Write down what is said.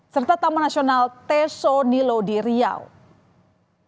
serta taman nasional teso dan tepung